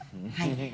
はい。